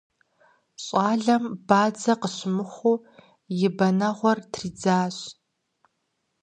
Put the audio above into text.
ЩӀалэм бадзэ къыщымыхъуу и бэнэгъур тридзащ.